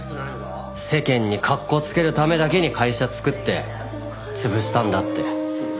世間に格好つけるためだけに会社作って潰したんだって。